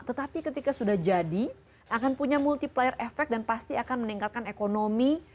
tetapi ketika sudah jadi akan punya multiplier efek dan pasti akan meningkatkan ekonomi